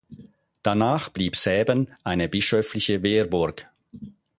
Danach blieb Säben eine bischöfliche Wehrburg.